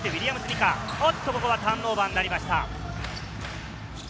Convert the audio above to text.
ここはターンオーバーになりました。